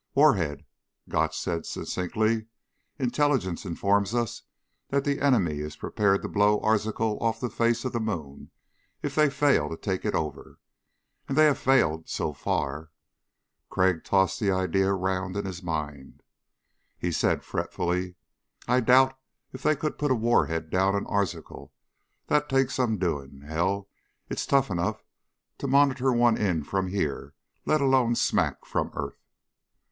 "Warhead," Gotch said succinctly. "Intelligence informs us that the enemy is prepared to blow Arzachel off the face of the moon if they fail to take it over. And they have failed so far." Crag tossed the idea around in his mind. He said fretfully, "I doubt if they could put a warhead down on Arzachel. That takes some doing. Hell, it's tough enough to monitor one in from here, let alone smack from earth."